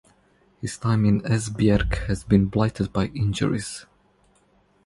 His time in Esbjerg has been blighted by injuries.